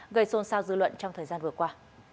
gây xôn xao dư luận trong thời gian vừa qua